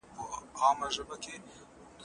له یو بل سره په سختۍ کي مرسته کوئ.